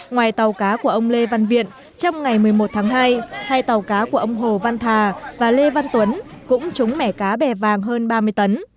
ngoài tàu cá của ông lê văn viện trong ngày một mươi một tháng hai hai tàu cá của ông hồ văn thà và lê văn tuấn cũng trúng mẻ cá bè vàng hơn ba mươi tấn